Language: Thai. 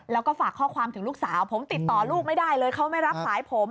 แล้วก็ฝากข้อความถึงลูกสาวผมติดต่อลูกไม่ได้เลยเขาไม่รับสายผม